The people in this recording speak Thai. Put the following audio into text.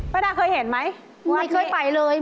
ประดาษาเคยเห็นไหมวัดนี้ไม่เคยไปเลย